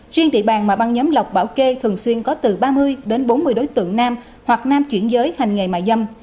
riêng địa bàn mà băng nhóm lộc bảo kê thường xuyên có từ ba mươi đến bốn mươi đối tượng nam hoặc nam chuyển giới hành nghề mại dâm